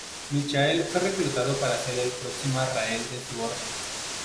Michael fue reclutado para ser el próximo Azrael de su orden.